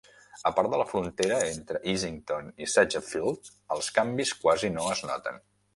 A part de la frontera entre Easington i Sedgefield, els canvis quasi no es noten.